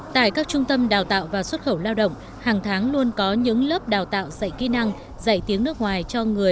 tại các trung tâm đào tạo và xuất khẩu lao động hàng tháng luôn có những lớp đào tạo dạy kỹ năng dạy tiếng nước ngoài cho người